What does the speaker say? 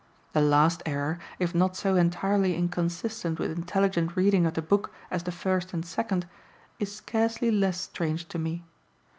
The last error, if not so entirely inconsistent with intelligent reading of the book as the first and second, is scarcely less strange to me.